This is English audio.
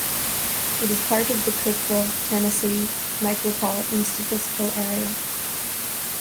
It is part of the Cookeville, Tennessee Micropolitan Statistical Area.